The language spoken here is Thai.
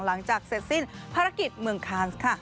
หลังจากเสร็จสิ้นภารกิจเมืองคานส์ค่ะ